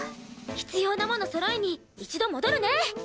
必要なものそろえに一度戻るね！